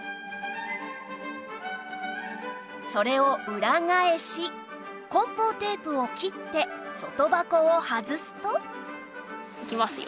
それを裏返し梱包テープを切って外箱を外すといきますよ。